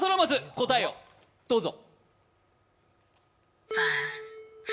答えをどうぞ。